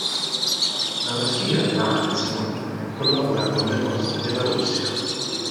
La Rossija Airlines inoltre collabora con le Poste della Russia.